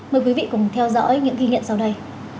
mời quý vị cùng theo dõi những ghi nhận sau đây